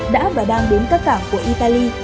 đã và đang đến các cảng của ipcc